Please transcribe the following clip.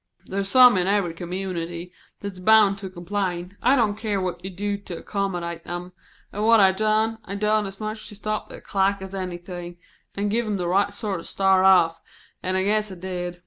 "There's some in every community that's bound to complain, I don't care what you do to accommodate 'em; and what I done, I done as much to stop their clack as anything, and give him the right sort of a start off, an' I guess I did.